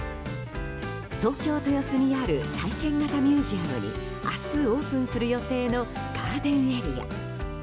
東京・豊洲にある体験型ミュージアムに明日オープンする予定のガーデンエリア。